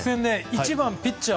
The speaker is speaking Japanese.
１番ピッチャー